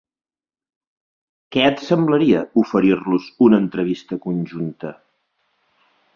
Què et semblaria oferir-los una entrevista conjunta?